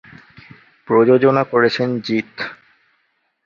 প্রযোজনা করেছেন জিৎ।